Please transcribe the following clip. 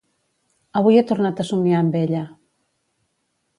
Avui he tornat a somniar amb ella